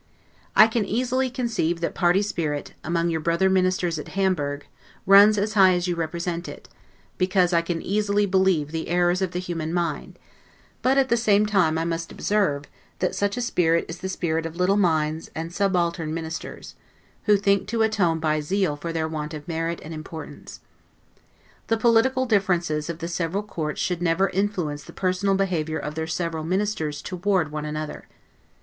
I can easily conceive that party spirit, among your brother ministers at Hamburg, runs as high as you represent it, because I can easily believe the errors of the human mind; but at the same time I must observe, that such a spirit is the spirit of little minds and subaltern ministers, who think to atone by zeal for their want of merit and importance. The political differences of the several courts should never influence the personal behavior of their several ministers toward one another.